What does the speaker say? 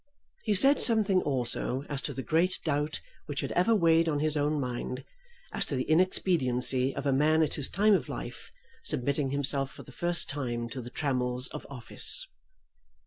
He said something also as to the great doubt which had ever weighed on his own mind as to the inexpediency of a man at his time of life submitting himself for the first time to the trammels of office.